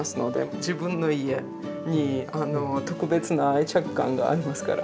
自分の家に特別な愛着感がありますから。